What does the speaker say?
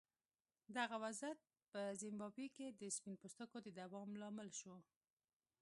دغه وضعیت په زیمبابوې کې د سپین پوستو د دوام لامل شو.